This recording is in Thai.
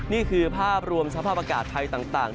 นี่คือภาพรวมสภาพอากาศไทยต่าง